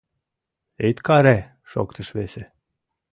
— Ит каре! — шоктыш весе.